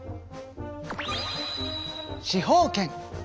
司法権。